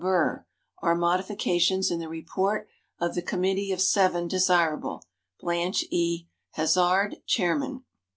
Burr; "Are Modifications in the Report of the Committee of Seven Desirable?" Blanche E. Hazard, chairman.